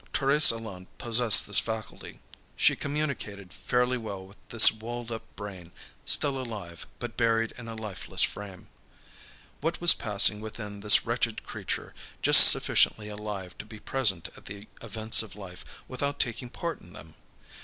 Thérèse alone possessed this faculty. She communicated fairly well with this walled up brain, still alive, but buried in a lifeless frame. What was passing within this wretched creature, just sufficiently alive to be present at the events of life, without taking part in them?